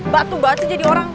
batu batu jadi orang